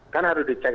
kan harus dicek